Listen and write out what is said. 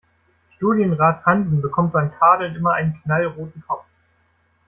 Studienrat Hansen bekommt beim Tadeln immer einen knallroten Kopf.